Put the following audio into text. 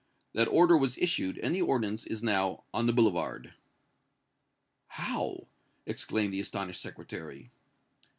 That order was issued, and the ordnance is now on the boulevard!" "How!" exclaimed the astonished Secretary.